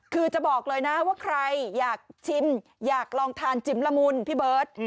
คือจะบอกเลยนะว่าใครอยากชิมอยากลองทานจิ๋มละมุนพี่เบิร์ต